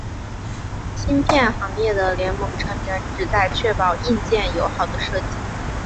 芯片行业的联盟成员旨在确保硬件友好的设计。